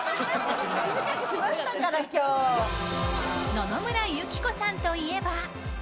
野々村友紀子さんといえば。